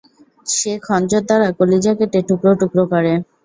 সে খঞ্জর দ্বারা কলিজা কেটে টুকরো টুকরো করে।